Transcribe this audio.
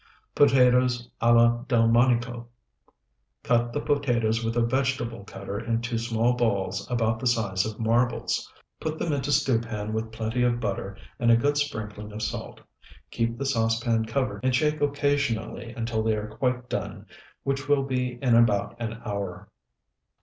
POTATOES A LA DELMONICO Cut the potatoes with a vegetable cutter into small balls about the size of marbles. Put them into stew pan with plenty of butter and a good sprinkling of salt. Keep the saucepan covered and shake occasionally until they are quite done, which will be in about an hour.